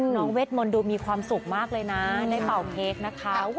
เวทมนต์ดูมีความสุขมากเลยนะได้เป่าเค้กนะคะ